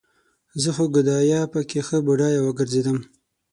زه خو ګدايه پکې ښه بډايه وګرځېدم